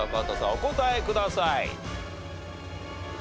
お答えください。